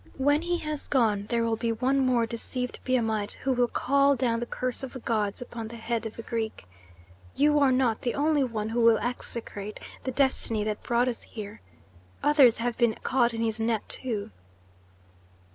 When he has gone there will be one more deceived Biamite who will call down the curse of the gods upon the head of a Greek. You are not the only one who will execrate the destiny that brought us here. Others have been caught in his net too."